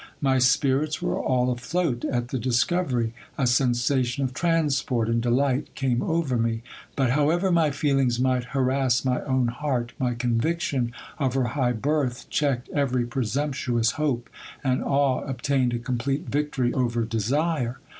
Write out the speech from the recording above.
My spirits were all afloat at the discovery. A sensa tion of transport and delight came over me ; but however my feelings might harass my own heart, my conviction of her high birth checked every presump tuous hope, and awe obtained a complete victory over desire.